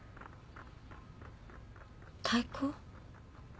☎太鼓？